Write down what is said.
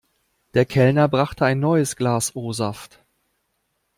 Der Kellner brachte ein neues Glas O-Saft.